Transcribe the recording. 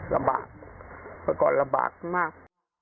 ระบากพอก่อนระบากมาก